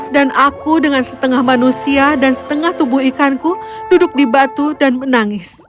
dan aku dengan setengah manusia dan setengah tubuh ikanku duduk di batu dan menangis